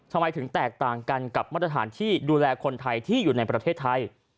ทำไมถึงแตกต่างกันกับมาตรฐานที่ดูแลคนไทยที่อยู่ในประเทศไทย